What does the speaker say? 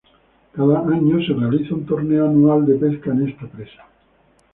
Cada año se realiza un torneo anual de pesca en esta presa.